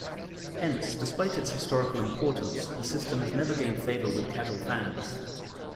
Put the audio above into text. Hence, despite its historical importance, the system has never gained favor with casual fans.